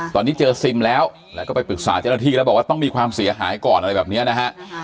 ตอนนี้เจอซิมแล้วแล้วก็ไปปรึกษาเจ้าหน้าที่แล้วบอกว่าต้องมีความเสียหายก่อนอะไรแบบนี้นะฮะ